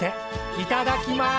いただきます！